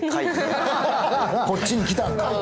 こっちに来たんかい。